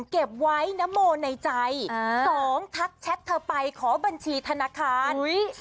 เก็บไว้นโมในใจ๒ทักแชทเธอไปขอบัญชีธนาคาร